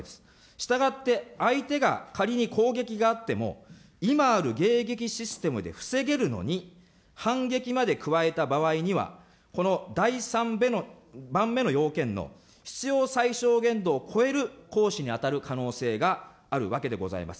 したがって、相手が仮に攻撃があっても、今ある迎撃システムで防げるのに、反撃まで加えた場合には、この第３番目の要件の必要最小限度を超える行使に当たる可能性があるわけでございます。